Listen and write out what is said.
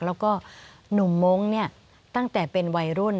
แล้วก็หนุ่มมงค์ตั้งแต่เป็นวัยรุ่น